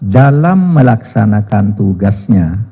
dalam melaksanakan tugasnya